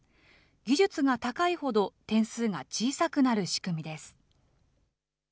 技術が高いほど点数が小さくなる仕組みです。